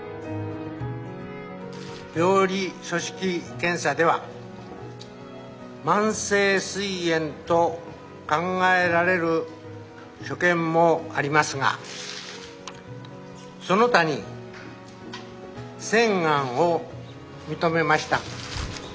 病理組織検査では慢性すい炎と考えられる所見もありますがその他に腺ガンを認めました。